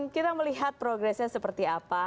kita melihat progresnya seperti apa